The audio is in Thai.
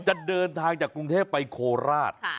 จะเดินทางจากกรุงเทพไปโคราช